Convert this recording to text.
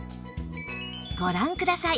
ご覧ください